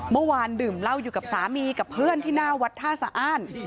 เมื่อวานดื่มเหล้าอยู่กับสามีกับเพื่อนที่หน้าวัดท่าสะอ้าน